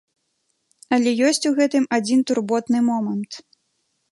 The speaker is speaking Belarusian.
Але ёсць у гэтым адзін турботны момант.